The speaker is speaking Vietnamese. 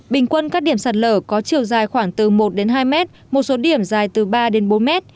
bình quân các điểm sạt lở có chiều dài khoảng từ một đến hai mét một số điểm dài từ ba đến bốn mét